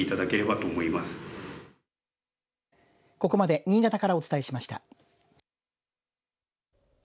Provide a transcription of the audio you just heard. ここまで新潟からお伝えしました。